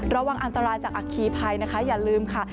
ระวังอันตรายจากอัคคีภัยนะคะอย่าลืมค่ะ